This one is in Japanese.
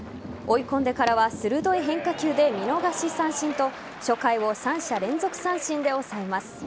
追い込んでからは鋭い変化球で見逃し三振と初回を３者連続三振で抑えます。